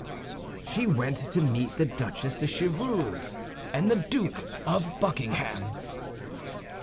"She went to meet the Duchesse de Chevreuse and the Duke of Buckingham."